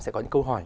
sẽ có những câu hỏi